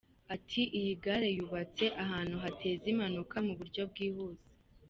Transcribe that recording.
Ati"Iyi gare yubatse ahantu hateza impanuka mu buryo bwihuse.